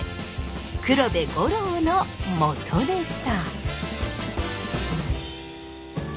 黒部五郎の元ネタ。